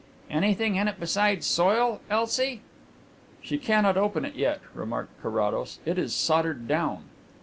"Anything in it besides soil, Elsie?" "She cannot open it yet," remarked Carrados. "It is soldered down."